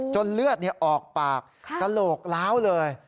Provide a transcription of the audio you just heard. เลือดออกปากกระโหลกล้าวเลย